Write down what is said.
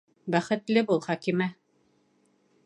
Бәхетле бул, Хәкимә!